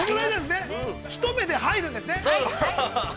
◆ひとめで、入るんですね。